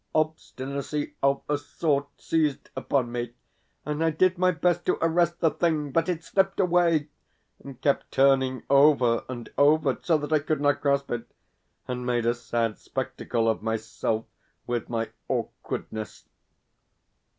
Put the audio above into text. Obstinacy of a sort seized upon me, and I did my best to arrest the thing, but it slipped away, and kept turning over and over, so that I could not grasp it, and made a sad spectacle of myself with my awkwardness.